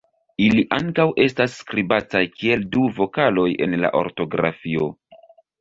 Ili ankaŭ estas skribataj kiel du vokaloj en la ortografio.